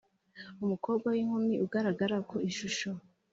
umukobwa w inkumi ugaragara ku ishusho